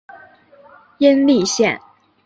殷栗线